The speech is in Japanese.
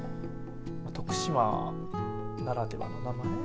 徳島ならでは名前。